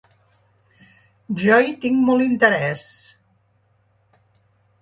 Jo hi tinc molt interès.